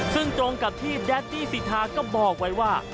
ซึ่งตรงกับที่แดดตี้สิทาก็บอกไว้ว่า